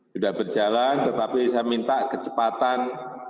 sudah berjalan tetapi saya minta kecepatan